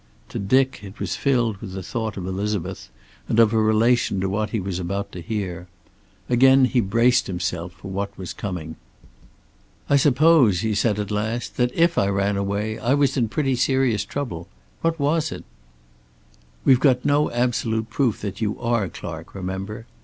To Dick, it was filled with the thought of Elizabeth, and of her relation to what he was about to hear. Again he braced himself for what was coming. "I suppose," he said at last, "that if I ran away I was in pretty serious trouble. What was it?" "We've got no absolute proof that you are Clark, remember.